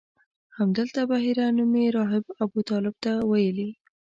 همدلته بحیره نومي راهب ابوطالب ته ویلي.